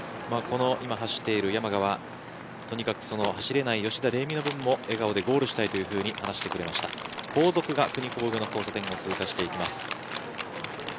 今走っている山賀はとにかく走れない吉田の分も笑顔でゴールしたいと話してくれました後続がくにくぼ上の交差点を通過していきます。